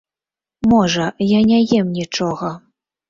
Можа, я не ем нічога!